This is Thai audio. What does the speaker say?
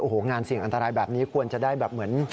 โอ้โหงานเสี่ยงอันตรายแบบนี้ควรจะได้แบบเหมือน